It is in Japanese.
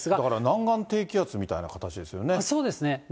だから南岸低気圧みたいな形ですよね。